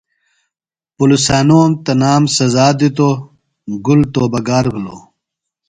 پُلِسیانوم تنام سزا دِتوۡ۔ گُل توبہ گار بِھلوۡ۔